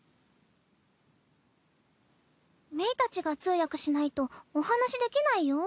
芽衣たちが通訳しないとお話しできないよ？